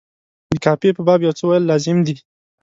د قافیې په باب یو څه ویل لازم دي.